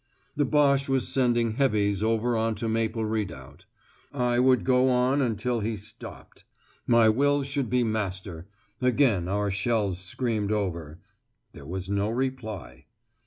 The Boche was sending "heavies" over on to Maple Redoubt. I would go on until he stopped. My will should be master. Again our shells screamed over. There was no reply.